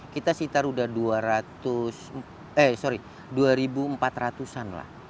kita sekitar sudah dua ribu empat ratus an lah